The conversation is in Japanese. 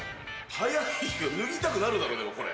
早いよ、脱ぎたくなるだろ、でも、これ。